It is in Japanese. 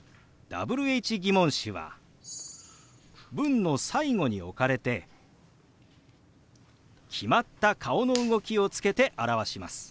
疑問詞は文の最後に置かれて決まった顔の動きをつけて表します。